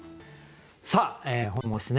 さあ本日もですね